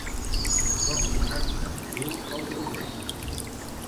Com es descriu el torrent?